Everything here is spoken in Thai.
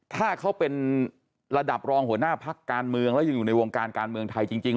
ถ้าเขาเป็นระดับรองหัวหน้าพักการเมืองแล้วยังอยู่ในวงการการเมืองไทยจริง